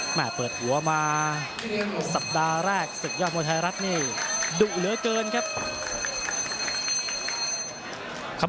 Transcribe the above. เปิดหัวมาสัปดาห์แรกศึกยอดมวยไทยรัฐนี่ดุเหลือเกินครับ